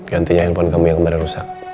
gantinya handphone kamu yang kemarin rusak